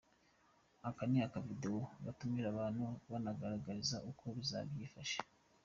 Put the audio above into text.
Aka ni akavidewo gatumira abantu kanabagaragariza uko bizaba byifashe.